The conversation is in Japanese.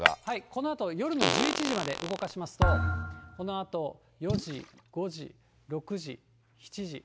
このあと、夜の１１時まで動かしますと、このあと４時、５時、６時、７時、８時、９時。